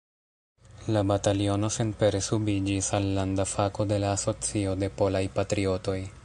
La bataliono senpere subiĝis al landa fako de la Asocio de Polaj Patriotoj.